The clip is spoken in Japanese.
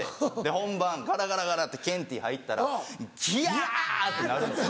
本番ガラガラガラってケンティー入ったらぎゃ！ってなるんですよ。